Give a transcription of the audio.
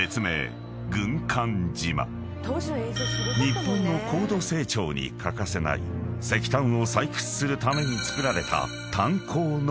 ［日本の高度成長に欠かせない石炭を採掘するために造られた］